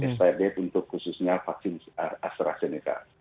skyd untuk khususnya vaksin astrazeneca